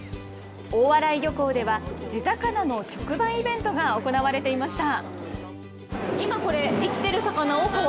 大洗漁港では、地魚の直売イベントが行われていました。